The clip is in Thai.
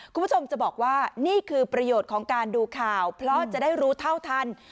คุณผู้ชมจะบอกว่านี่คือประโยชน์ของการดูข่าวเพราะจะได้รู้เท่าทัน